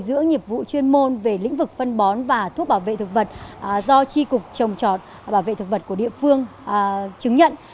ứng vực phân bón và thuốc bảo vệ thực vật do tri cục trồng trọt bảo vệ thực vật của địa phương chứng nhận